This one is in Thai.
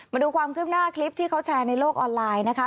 มาดูความคืบหน้าคลิปที่เขาแชร์ในโลกออนไลน์นะคะ